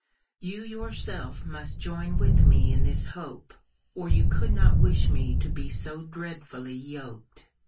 You yourself must join with me in this hope, or you could not wish me to be so dreadfully yoked.